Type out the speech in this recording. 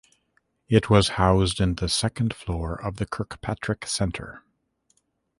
It was housed in the second floor of the Kirkpatrick Center.